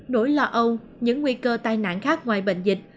nỗi lo âu những nguy cơ tai nạn khác ngoài bệnh dịch